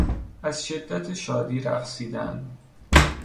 از شدت شادی رقصیدن